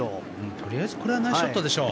とりあえずこれはナイスショットでしょう。